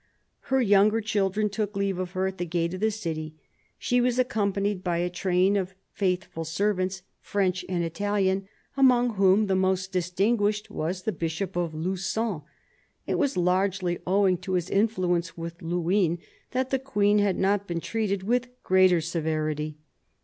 Her younger children took leave of her at the gate of the city. She was accompanied by a train of faithful servants, French and Italian, among whom the most distinguished was the Bishop of Lu^on; it was largely owing to his influence with Luynes that the Queen had not been treated with greater severity.